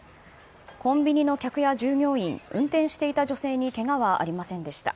コンビニの客や従業員運転していた女性にけがはありませんでした。